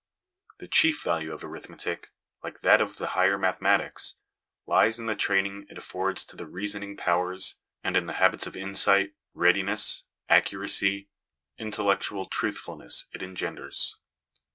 The chief value of arithmetic, like that of the higher mathematics, lies in the training it affords to the reasoning powers, and in the habits of insight, readi ness, accuracy, intellectual truthfulness it engenders.